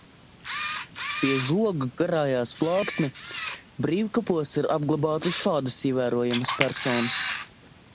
Pie žoga karājās plāksne "Brīvkapos ir apglabātas šādas ievērojamas personas".